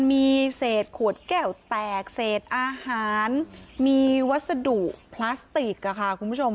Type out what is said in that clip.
มีเศษขวดแก้วแตกเศษอาหารมีวัสดุพลาสติกค่ะคุณผู้ชม